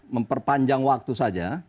memperpanjang waktu saja